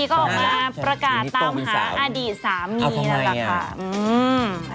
นี่ก็ออกมาประกาศตามหาอดีตสามีนะคะอันนี้ตรงวัน๓อันทำไมอ่ะ